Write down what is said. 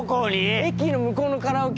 駅の向こうのカラオケ。